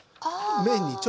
麺にちょっとね